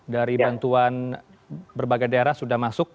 dari bantuan berbagai daerah sudah masuk